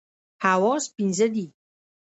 حواس پنځه دي.